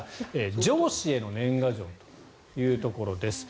上司への年賀状というところです。